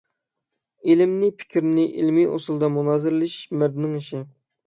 ئىلىمنى، پىكىرنى ئىلىمىي ئۇسۇلدا مۇنازىرىلىشىش مەردنىڭ ئىشى.